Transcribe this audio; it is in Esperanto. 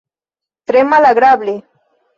Tre malagrable.